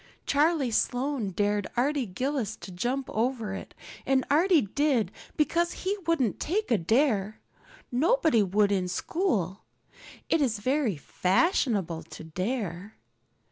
Charlie Sloane dared Arty Gillis to jump over it, and Arty did because he wouldn't take a dare. Nobody would in school. It is very fashionable to dare.